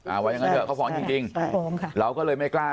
อ่าว่าอย่างงั้นเถอะเขาฟ้องจริงจริงใช่ฟ้องค่ะเราก็เลยไม่กล้า